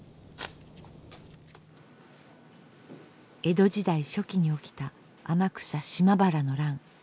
江戸時代初期に起きた天草・島原の乱。